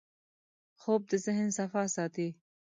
خوب د ذهن صفا ساتي